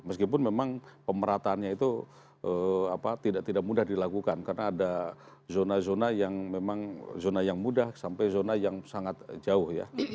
lagipun memang pemerataannya itu tidak mudah dilakukan karena ada zona zona yang mudah sampai zona yang sangat jauh ya